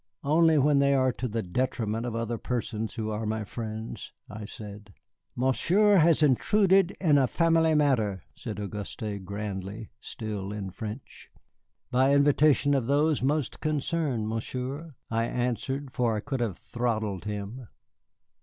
"Only when they are to the detriment of other persons who are my friends," I said. "Monsieur has intruded in a family matter," said Auguste, grandly, still in French. "By invitation of those most concerned, Monsieur," I answered, for I could have throttled him.